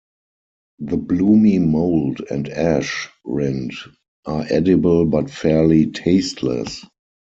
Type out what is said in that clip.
The bloomy mold and ash rind are edible but fairly tasteless.